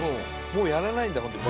もうやらないんだホント。